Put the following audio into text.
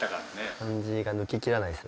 感じが抜けきらないです。